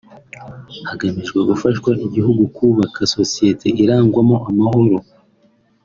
Hagamijwe gufasha igihugu kubaka sosiyete irangwamo amahoro